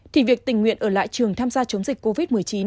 thì việc tình nguyện ở lại trường tham gia chống dịch covid một mươi chín